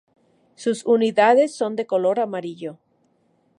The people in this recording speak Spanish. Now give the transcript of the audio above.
Sus unidades son de color amarillo.